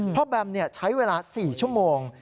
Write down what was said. แบมใช้เวลา๔ชั่วโมง